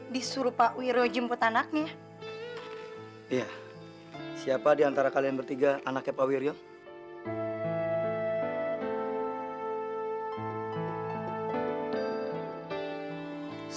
disuruh pak wiryuk jemput anaknya iya siapa diantara kalian bertiga anaknya pak wiryuk